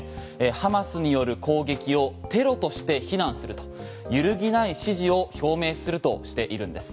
ハマスによる攻撃をテロとして非難すると揺るぎない支持を表明するとしているんです。